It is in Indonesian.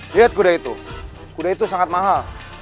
lihat kuda itu kuda itu sangat mahal